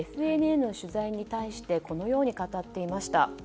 ＦＮＮの取材に対してこのように語っていました。